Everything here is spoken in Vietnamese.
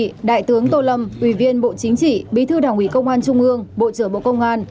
tại hội nghị đại tướng tô lâm ủy viên bộ chính trị bí thư đảng ủy công an trung ương bộ trưởng bộ công an